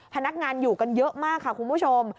พนักงานอยู่กันเยอะมากค่ะคุณผู้ชม